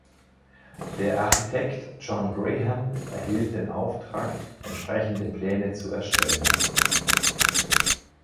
Der Architekt John Graham erhielt den Auftrag, entsprechende Pläne zu erstellen.